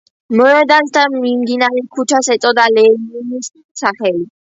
მოედანს და მიმდებარე ქუჩას ეწოდა ლენინის სახელი.